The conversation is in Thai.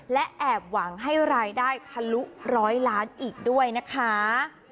และแอบหวังให้รายได้ทะลุร้อยล้านอีกด้วยนะคะ